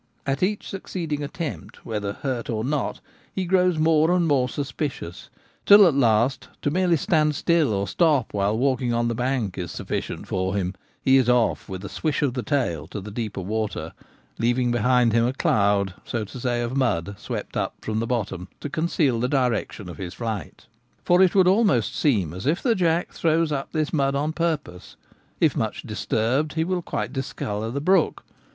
At each suc ceeding attempt, whether hurt or not, he grows more and more suspicious, till at last to merely stand still or stop while walking on the bank is sufficient for him ; he is off with a swish of the tail to the deeper water, leaving behind him a cloud, so to say, of mud Jack Caught with Withy Noose. 185 swept up from the bottom to conceal the direction of his flight. For it would almost seem as if the jack throws up this mud on purpose ; if much disturbed he will quite discolour the brook.